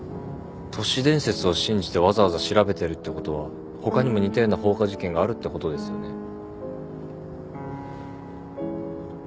都市伝説を信じてわざわざ調べてるってことは他にも似たような放火事件があるってことですよね。